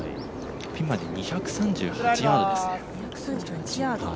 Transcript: ピンまで２３８ヤードですね。